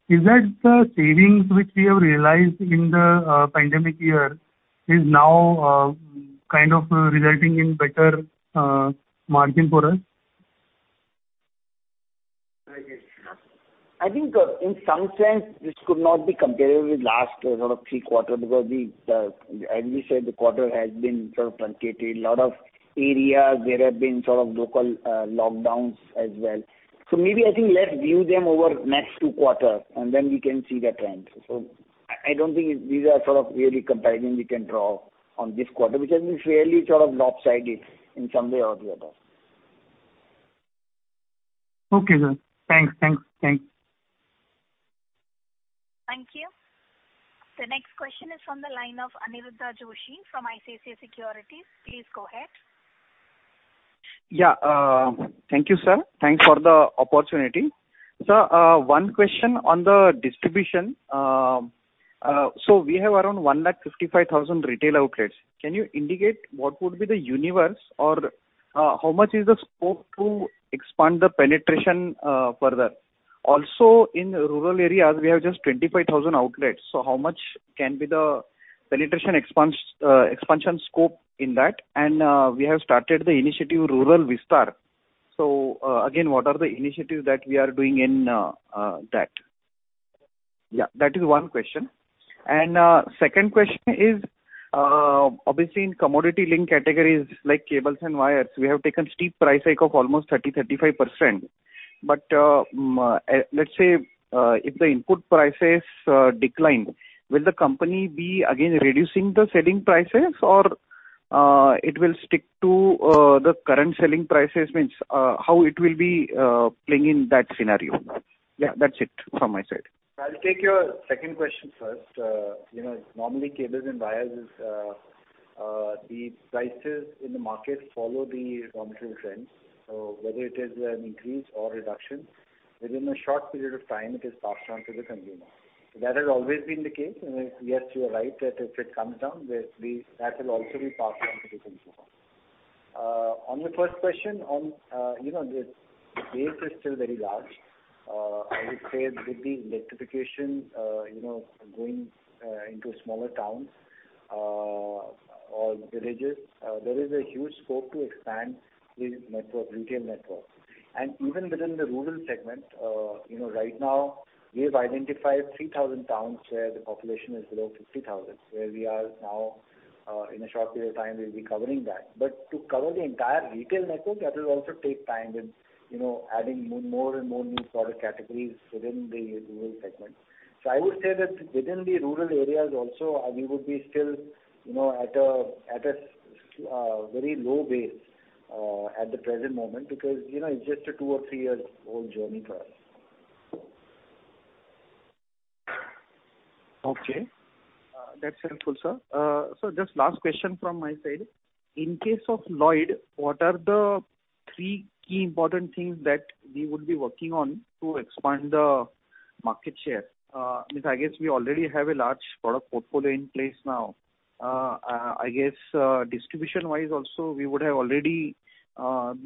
Is that the savings which we have realized in the pandemic year is now kind of resulting in better margin for us? I think in some sense this could not be comparable with last sort of three quarters because as we said, the quarter has been sort of truncated. Lot of areas there have been sort of local lockdowns as well. Maybe I think let's view them over next two quarters and then we can see the trends. I don't think these are sort of really comparison we can draw on this quarter, which has been fairly sort of lopsided in some way or the other. Okay, sir. Thanks. Thank you. The next question is from the line of Aniruddha Joshi from ICICI Securities. Please go ahead. Yeah. Thank you, sir, thanks for the opportunity. Sir, one question on the distribution. We have around 155,000 retail outlets. Can you indicate what would be the universe or how much is the scope to expand the penetration further? Also in rural areas, we have just 25,000 outlets, how much can be the penetration expansion scope in that? We have started the initiative Rural Vistaar. Again, what are the initiatives that we are doing in that? Yeah, that is one question. Second question is, obviously in commodity link categories like cables and wires, we have taken steep price hike of almost 30%-35%. Let's say if the input prices decline, will the company be again reducing the selling prices or it will stick to the current selling prices? Means how it will be playing in that scenario? Yeah, that's it from my side. I'll take your second question first. Normally, cables and wires, the prices in the market follow the raw material trends. Whether it is an increase or reduction, within a short period of time, it is passed on to the consumer. That has always been the case. Yes, you are right, that if it comes down, that will also be passed on to the consumer. On your first question, the base is still very large. I would say with the electrification going into smaller towns or villages, there is a huge scope to expand this retail network. Even within the rural segment, right now we have identified 3,000 towns where the population is below 50,000, where we are now, in a short period of time, we'll be covering that. To cover the entire retail network, that will also take time with adding more and more new product categories within the rural segment. I would say that within the rural areas also, we would be still at a very low base at the present moment because it's just a 2 or 3 years old journey for us. Okay, that's helpful, sir. Sir, just last question from my side. In case of Lloyd, what are the three key important things that we would be working on to expand the market share? I guess we already have a large product portfolio in place now. I guess distribution-wise also we would have already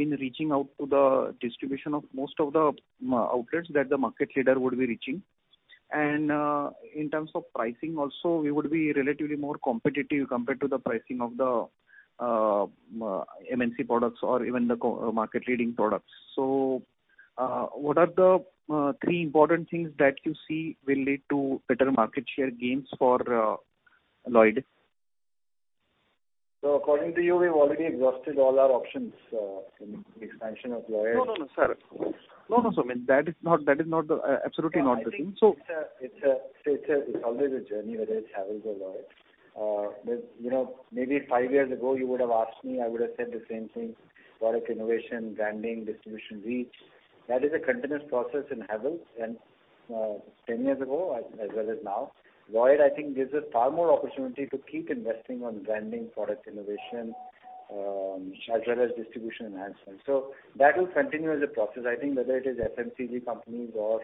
been reaching out to the distribution of most of the outlets that the market leader would be reaching. In terms of pricing also, we would be relatively more competitive compared to the pricing of the MNC products or even the market leading products. What are the 3 important things that you see will lead to better market share gains for Lloyd? According to you, we've already exhausted all our options in the expansion of Lloyd. No, sir. That is absolutely not the thing. I think it's always a journey, whether it's Havells or Lloyd. Maybe five years ago you would have asked me, I would have said the same thing. Product innovation, branding, distribution reach, that is a continuous process in Havells and 10 years ago as well as now. Lloyd, I think gives us far more opportunity to keep investing on branding, product innovation, as well as distribution enhancement. That will continue as a process, I think whether it is FMCG companies or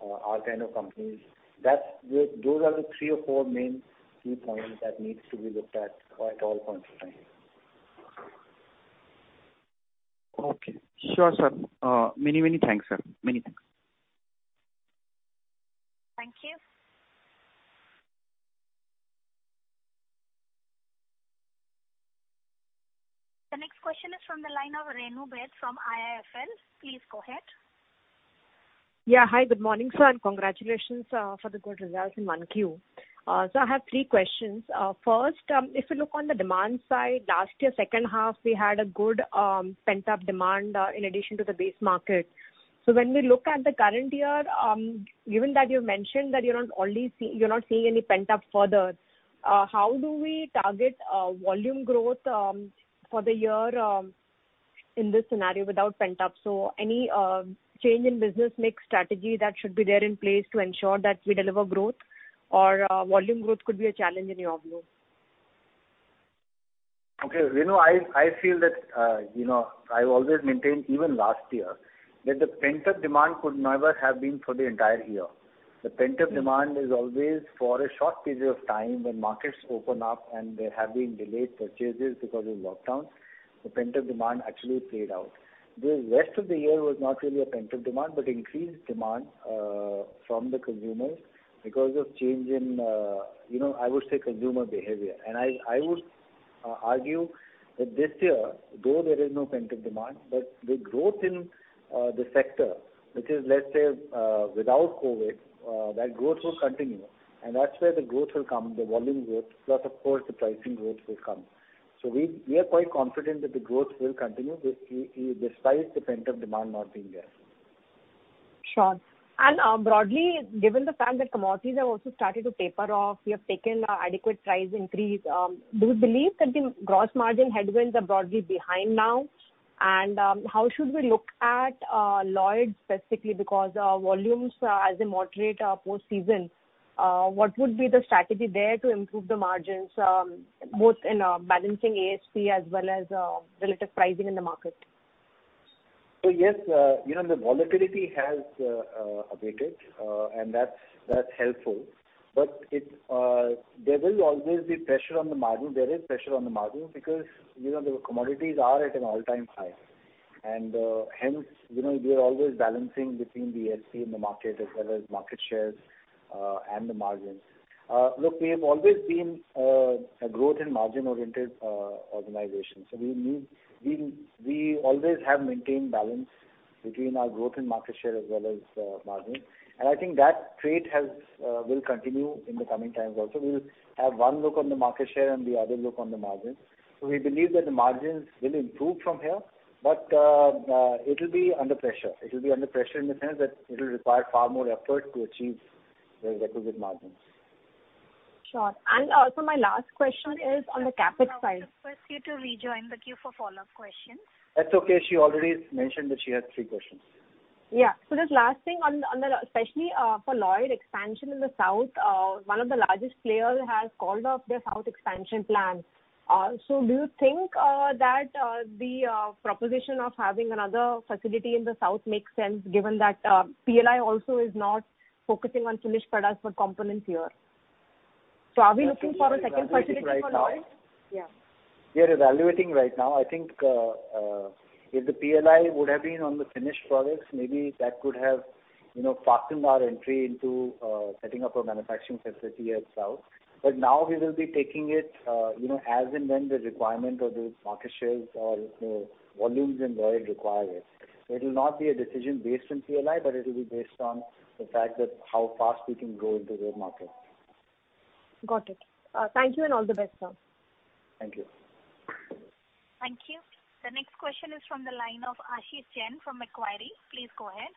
our kind of companies. Those are the three or four main key points that needs to be looked at all points in time. Okay, sure, sir. Many thanks, sir. Thank you. The next question is from the line of Renu Baid from IIFL. Please go ahead. Yeah. Hi, good morning, sir, and congratulations for the good results in 1Q. I have three questions. First, if you look on the demand side, last year, second half, we had a good pent-up demand in addition to the base market. When we look at the current year, given that you mentioned that you're not seeing any pent-up further, how do we target volume growth for the year in this scenario without pent-up? Any change in business mix strategy that should be there in place to ensure that we deliver growth or volume growth could be a challenge in your view? Okay. I feel that I've always maintained, even last year, that the pent-up demand could never have been for the entire year. The pent-up demand is always for a short period of time when markets open up and there have been delayed purchases because of lockdown. The pent-up demand actually played out. The rest of the year was not really a pent-up demand, but increased demand from the consumers because of change in, I would say, consumer behavior. I would argue that this year, though there is no pent-up demand, but the growth in the sector, which is, let's say, without COVID, that growth will continue, and that's where the growth will come, the volume growth, plus of course, the pricing growth will come. We are quite confident that the growth will continue despite the pent-up demand not being there. Sure. Broadly, given the fact that commodities have also started to taper off, we have taken adequate price increase. Do you believe that the gross margin headwinds are broadly behind now? How should we look at Lloyd specifically because volumes as they moderate post-season, what would be the strategy there to improve the margins, both in balancing ASP as well as relative pricing in the market? Yes, the volatility has abated and that's helpful, but there will always be pressure on the margin, there is pressure on the margin because the commodities are at an all-time high, hence, we are always balancing between the ASP and the market as well as market shares and the margins. Look, we have always been a growth and margin-oriented organization. We always have maintained balance between our growth in market share as well as margin. I think that trait will continue in the coming times also. We will have one look on the market share and the other look on the margin. We believe that the margins will improve from here, but it will be under pressure. It will be under pressure in the sense that it will require far more effort to achieve the requisite margins. Sure. Also my last question is on the CapEx side. I'll just request you to rejoin the queue for follow-up questions. That's okay. She already mentioned that she had 3 questions. Yeah. Just last thing, especially for Lloyd expansion in the South, one of the largest players has called off their South expansion plan. Do you think that the proposition of having another facility in the South makes sense given that PLI also is not focusing on finished products but components here? Are we looking for a second facility for Lloyd? We are evaluating right now. I think if the PLI would have been on the finished products, maybe that could have fastened our entry into setting up a manufacturing facility at South. Now we will be taking it as and when the requirement or the market shares or volumes in Lloyd require it. It will not be a decision based on PLI, but it will be based on the fact that how fast we can grow into that market. Got it. Thank you and all the best, sir. Thank you. Thank you. The next question is from the line of Ashish Jain from Macquarie. Please go ahead.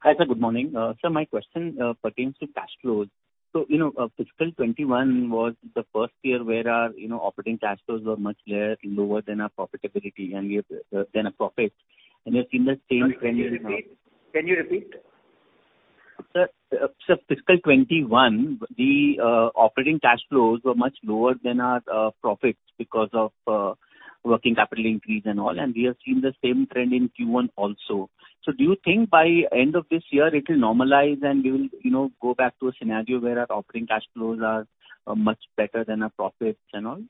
Hi, sir. Good morning. Sir, my question pertains to cash flows. Fiscal 2021 was the first year where our operating cash flows were much lower than our profitability and than our profits. We have seen the same trend in- Can you repeat? Sir, fiscal 2021, the operating cash flows were much lower than our profits because of working capital increase and all, and we have seen the same trend in Q1 also. Do you think by end of this year it will normalize and we will go back to a scenario where our operating cash flows are much better than our profits and all?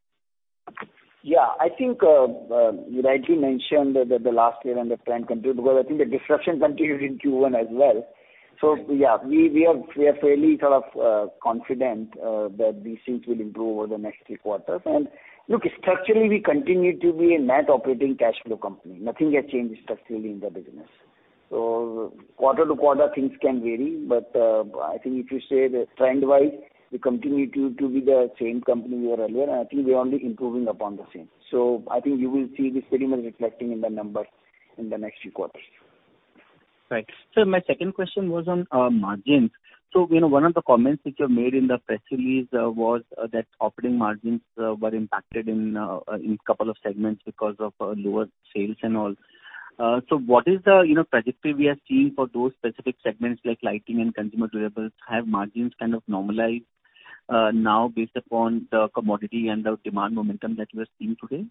Yeah, I think you rightly mentioned that the last year and the trend continued because I think the disruption continued in Q1 as well. Yeah, we are fairly sort of confident that these things will improve over the next few quarters. Look, structurally, we continue to be a net operating cash flow company. Nothing has changed structurally in the business. Quarter to quarter, things can vary. I think if you say the trend-wise, we continue to be the same company we were earlier. I think we're only improving upon the same. I think you will see this pretty much reflecting in the numbers in the next few quarters. Right. Sir, my second question was on margins. One of the comments which you made in the press release was that operating margins were impacted in couple of segments because of lower sales and all. What is the trajectory we are seeing for those specific segments like lighting and Consumer Durables? Have margins kind of normalized now based upon the commodity and the demand momentum that we're seeing today?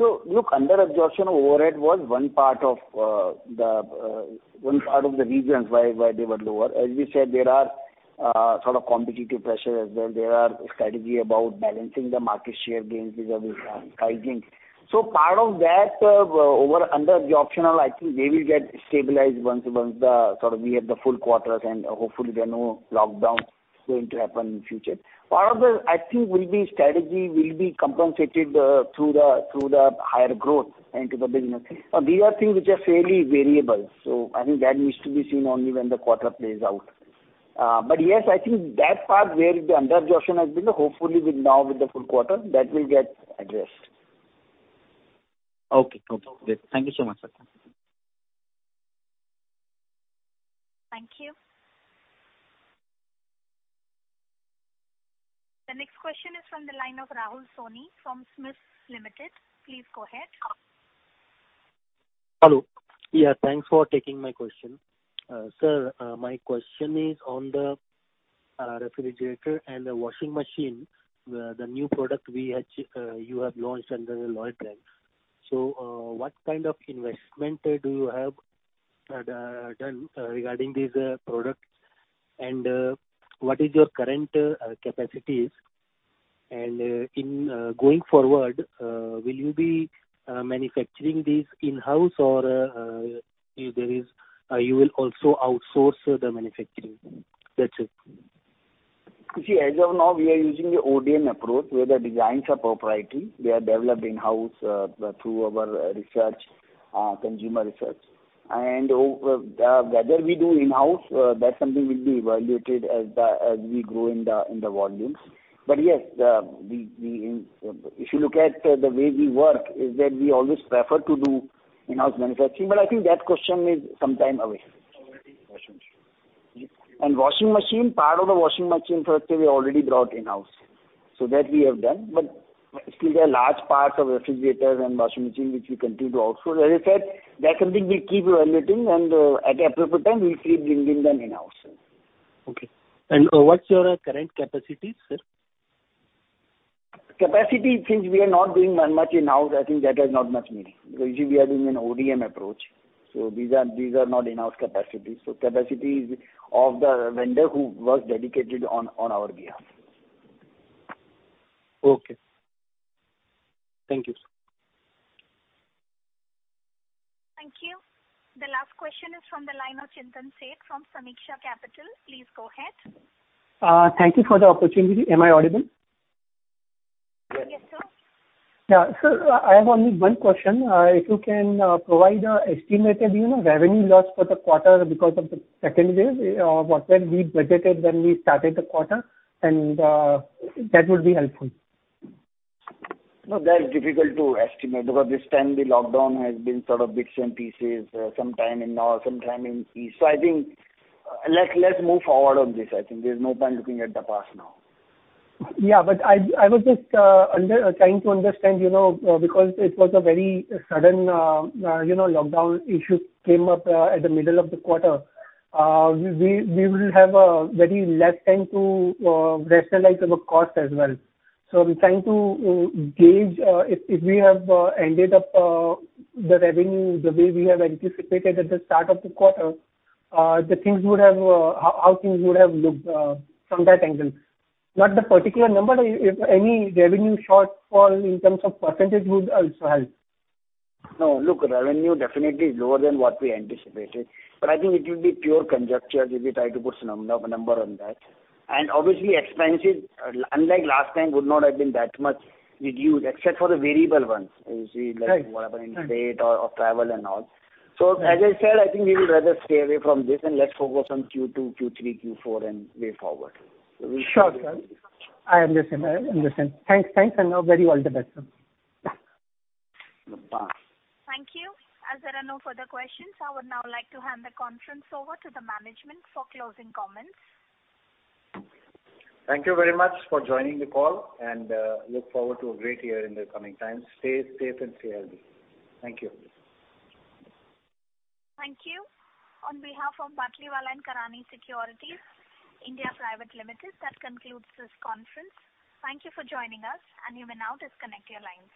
Look, under absorption overhead was one part of the reasons why they were lower. As we said, there are sort of competitive pressure as well. There are strategy about balancing the market share gains with our lighting. Part of that under absorption, I think they will get stabilized once we have the full quarters and hopefully there are no lockdowns going to happen in future. Part of the, I think, strategy will be compensated through the higher growth into the business. These are things which are fairly variable, I think that needs to be seen only when the quarter plays out. Yes, I think that part where the under-absorption has been, hopefully now with the full quarter, that will get addressed. Okay. Thank you so much, sir. Thank you. The next question is from the line of Rahul Soni from SMIFS Limited. Please go ahead. Hello. Yeah, thanks for taking my question. Sir, my question is on the refrigerator and the washing machine, the new product you have launched under the Lloyd brand. What kind of investment do you have regarding these products, and what is your current capacities? Going forward, will you be manufacturing these in-house or you will also outsource the manufacturing? That's it. As of now, we are using the ODM approach, where the designs are proprietary. They are developed in-house through our consumer research. Whether we do in-house, that's something will be evaluated as we grow in the volumes. Yes, if you look at the way we work, is that we always prefer to do in-house manufacturing. I think that question is some time away. Washing machine, part of the washing machine product we already brought in-house. That we have done. Still there are large parts of refrigerators and washing machine, which we continue to outsource. As I said, that's something we keep evaluating, and at the appropriate time, we'll keep bringing them in-house. Okay. What's your current capacity, sir? Capacity, since we are not doing that much in-house, I think that has not much meaning. You see, we are doing an ODM approach. These are not in-house capacities. Capacities of the vendor who works dedicated on our behalf. Okay. Thank you. Thank you. The last question is from the line of Chintan Sheth from Sameeksha Capital. Please go ahead. Thank you for the opportunity. Am I audible? Yes, sir. Yeah. Sir, I have only one question. If you can provide an estimated revenue loss for the quarter because of the second wave of what we budgeted when we started the quarter, and that would be helpful. No, that is difficult to estimate because this time the lockdown has been sort of bits and pieces, some time in north, some time in east. I think, let's move forward on this. I think there's no point looking at the past now. I was just trying to understand, because it was a very sudden lockdown issue came up at the middle of the quarter. We will have a very less time to rationalize our cost as well. I'm trying to gauge if we have ended up the revenue the way we have anticipated at the start of the quarter, how things would have looked from that angle. Not the particular number, if any revenue shortfall in terms of percentage would also help. No. Look, revenue definitely is lower than what we anticipated. I think it will be pure conjecture if we try to put some number on that. Obviously, expenses, unlike last time, would not have been that much reduced except for the variable ones. Right What happened in state or travel and all. As I said, I think we would rather stay away from this, and let's focus on Q2, Q3, Q4 and way forward. Sure, sir. I understand. Thanks, and very all the best, sir. Yeah. Bye. Thank you. As there are no further questions, I would now like to hand the conference over to the management for closing comments. Thank you very much for joining the call, and look forward to a great year in the coming times. Stay safe and healthy. Thank you. Thank you. On behalf of Batlivala and Karani Securities India Private Limited, that concludes this conference. Thank you for joining us, and you may now disconnect your lines.